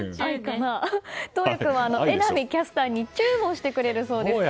桐矢君は榎並キャスターにチューもしてくれるそうです。